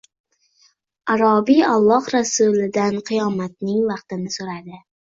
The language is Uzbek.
A’robiy Alloh Rasulidan qiyomatning vaqtini so‘radi